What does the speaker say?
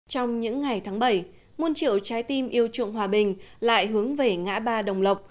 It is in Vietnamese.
trong những ngày tháng bảy môn triệu trái tim yêu chuộng hòa bình lại hướng về ngã ba đồng lộc